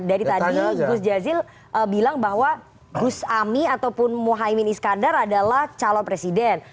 dari tadi gus jazil bilang bahwa gus ami ataupun mohaimin iskandar adalah calon presiden